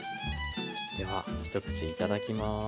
では一口いただきます。